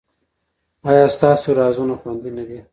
ایا ستاسو رازونه خوندي نه دي؟